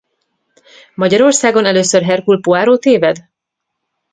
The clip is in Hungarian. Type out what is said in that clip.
Magyarországon először Hercule Poirot téved?